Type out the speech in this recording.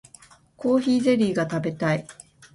コーヒーゼリーが食べたい